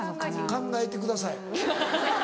考えてください。